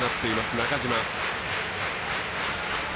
中島。